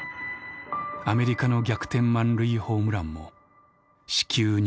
アメリカの逆転満塁ホームランも四球２個からだった」。